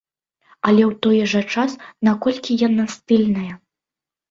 Але ў той жа час, наколькі яна стыльная?